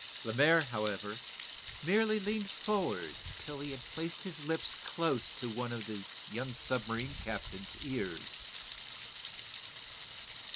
Lemaire, however, merely leaned forward until he had placed his lips close to one of the young submarine captain's ears.